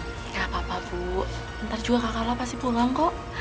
gak apa apa bu ntar juga kakakla pasti pulang kok